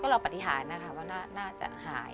เราปฏิหารนะคะว่าน่าจะหาย